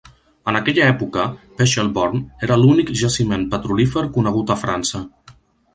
En aquella època, Pechelbornn era l"únic jaciment petrolífer conegut a França.